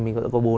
mình có bốn ăn